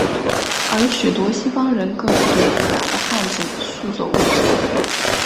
而许多西方人更是对复杂的汉字束手无策。